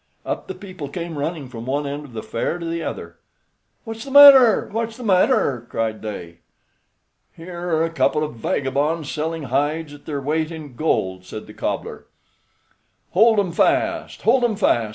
Up the people came running from one end of the fair to the other. "What's the matter? What's the matter?" cried they. "Here are a couple of vagabonds selling hides at their weight in gold," said the cobbler. "Hold 'em fast; hold 'em fast!"